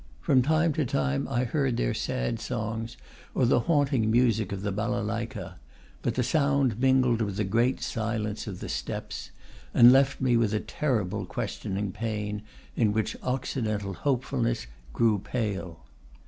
From time to time I heard their sad songs or the haunting music of the balalaika; but the sound mingled with the great silence of the steppes, and left me with a terrible questioning pain in which Occidental hopefulness grew pale.